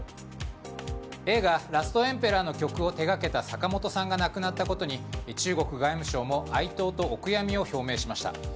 映画「ラストエンペラー」の曲を手掛けた坂本さんが亡くなったことに中国外務省も哀悼とお悔やみを表明しました。